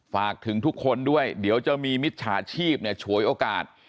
ฝากถึงทุกคนด้วยเดี๋ยวจะมีมิจฉาชีพฉวยโอกาส